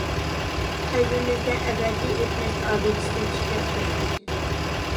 قەلبىمىزدە ئەبەدىي ئۆچمەس ئابىدىسىنى تىكلەپ كەتتى.